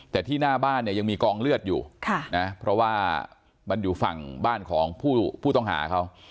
แต่ที่หน้าบ้านเนี่ยยังมีกองเลือดอยู่นะเพราะว่ามันอยู่ฝั่งบ้านของผู้ต้องหาเขา